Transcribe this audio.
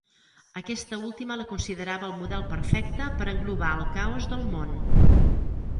Aquesta última la considerava el model perfecte per englobar el caos del món.